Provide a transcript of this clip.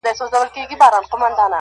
• ادبي غونډه کي نيوکي وسوې..